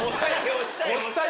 押したい！